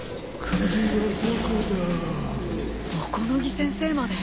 小此木先生まで。